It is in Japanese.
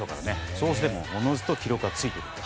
そうすると、おのずと記録がついてくると。